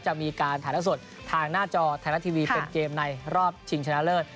จะมีการถ่ายละสดทางหน้าจอไทยรัฐทีวีเป็นเกมในรอบชิงชนะเลิศ